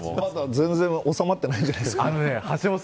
全然収まってないんじゃないですか。